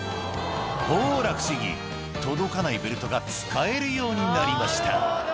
「ほら不思議届かないベルトが使えるようになりました」